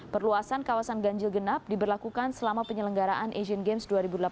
perluasan kawasan ganjil genap diberlakukan selama penyelenggaraan asian games dua ribu delapan belas